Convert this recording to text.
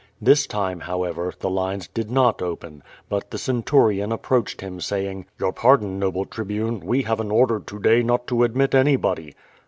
This time, however, the lines did not open, but the centurion approached him, saying: "Your pardon, noble Tribune, we have an order to day not to admit anybody."